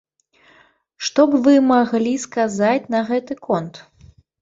Што б вы маглі сказаць на гэты конт?